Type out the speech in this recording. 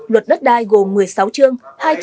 luật đất đai gồm một mươi sáu chương